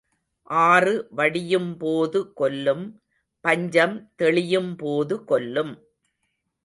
ஆறு வடியும் போது கொல்லும் பஞ்சம் தெளியும் போது கொல்லும்.